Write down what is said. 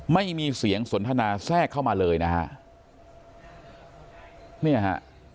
ไม่มีเสียงสนทนาแทรกเข้ามาเลยนะฮะ